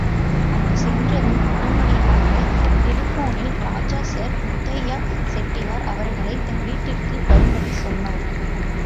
அங்கு சென்றதும் உடனடியாக டெலிபோனில் ராஜா சர் முத்தையா செட்டியார் அவர்களைத் தன் வீட்டிற்கு வரும்படி சொன்னார்.